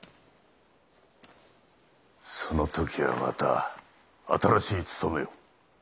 その時はまた新しい仕事を？